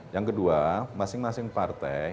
yang kedua masing masing partai